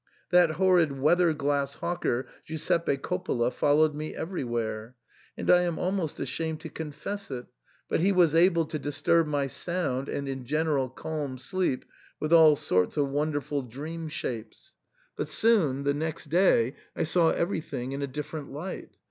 That horrid weather glass l8o THE SAND'MAN^ hawker Giuseppe Coppola followed me everywhere ; and I am almost ashamed to confess it, but he was able to disturb my sound and in general calm sleep with all sorts of wonderful dream shapes. But soon — the next day — I saw everything in a different light.